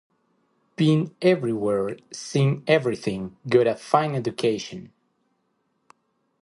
Been everywhere, seen everything; got a fine education.